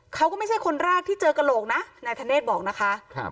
เขาก็ไม่ใช่คนแรกที่เจอกระโหลกนะนายธเนธบอกนะคะ